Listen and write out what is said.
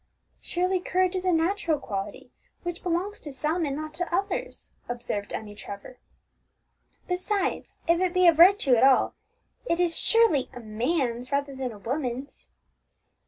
"Surely courage is a natural quality, which belongs to some and not to others," observed Emmie Trevor. "Besides, if it be a virtue at all, it is surely a man's rather than a woman's."